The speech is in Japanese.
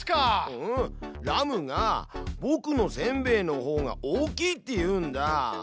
ラムがぼくのせんべいのほうが大きいって言うんだ。